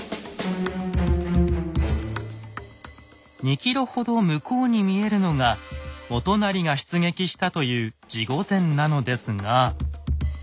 ２ｋｍほど向こうに見えるのが元就が出撃したという地御前なのですが。